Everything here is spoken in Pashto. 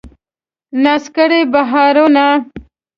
ناز کړي بهارونه